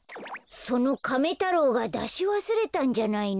そのカメ太郎がだしわすれたんじゃないの？